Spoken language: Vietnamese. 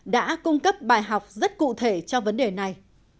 đã cung cấp bài học rất cụ thể cho vấn đề này